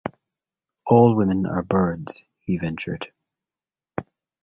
"All women are birds," he ventured.